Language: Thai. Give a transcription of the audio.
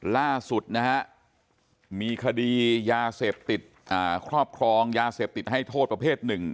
ล่าสุดนะฮะมีคดียาเสพติดครอบครองยาเสพติดให้โทษประเภทหนึ่ง